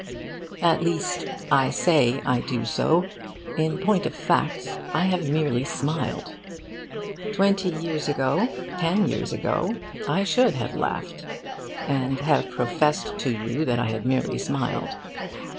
At least, I say I do so. In point of fact, I have merely smiled. Twenty years ago, ten years ago, I should have laughed, and have professed to you that I had merely smiled.